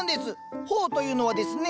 苞というのはですね。